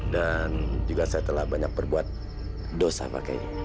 dan juga saya telah banyak berbuat dosa pada kiai